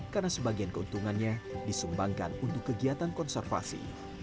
karena sebagian keuntungannya disumbangkan untuk kegiatan konservasi